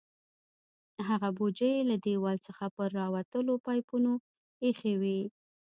هغه بوجۍ یې له دیوال څخه پر راوتلو پایپونو ایښې وې.